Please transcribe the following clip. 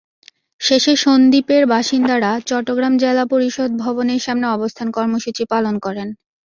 শেষে সন্দ্বীপের বাসিন্দারা চট্টগ্রাম জেলা পরিষদ ভবনের সামনে অবস্থান কর্মসূচি পালন করেন।